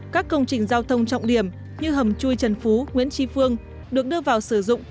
các công trình giao thông trọng điểm như hầm chui trần phú nguyễn tri phương được đưa vào sử dụng